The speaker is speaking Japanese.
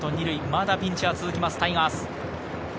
まだピンチが続きます、タイガース。